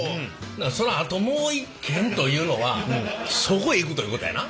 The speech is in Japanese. そのあともう一件というのはそこへ行くということやな？